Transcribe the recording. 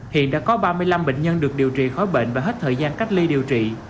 hiện đã có ba mươi năm bệnh nhân được điều trị khói bệnh và hết thời gian cách ly điều trị